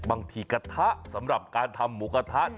กระทะสำหรับการทำหมูกระทะ